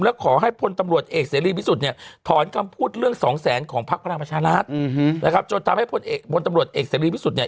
แล้วขอให้พลตำรวจเอกเสรีวิสุทธิ์เนี่ย